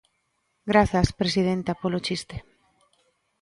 Grazas, presidenta, polo chiste.